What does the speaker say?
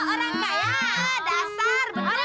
oh orang kaya dasar bener bener